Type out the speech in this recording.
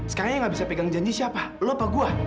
sekarang ya nggak bisa pegang janji siapa lo apa gue